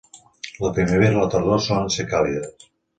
La primavera i la tardor solen ser càlides.